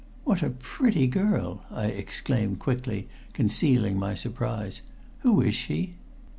"What a pretty girl!" I exclaimed quickly, concealing my surprise. "Who is she?"